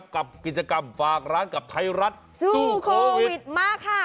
กับกิจกรรมฝากร้านกับไทยรัฐสู้โควิดมากค่ะ